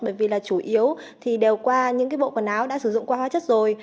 bởi vì là chủ yếu thì đều qua những cái bộ quần áo đã sử dụng qua hóa chất rồi